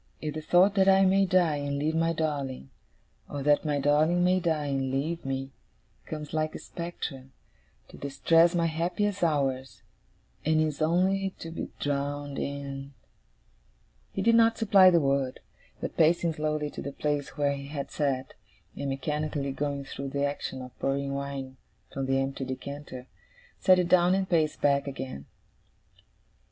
If the thought that I may die and leave my darling, or that my darling may die and leave me, comes like a spectre, to distress my happiest hours, and is only to be drowned in ' He did not supply the word; but pacing slowly to the place where he had sat, and mechanically going through the action of pouring wine from the empty decanter, set it down and paced back again.